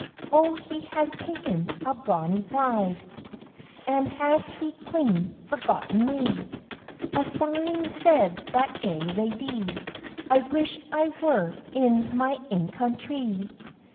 "O has he taen a bonny bride, An has he clean forgotten me?" An sighing said that gay lady, "I wish I were in my ain country!"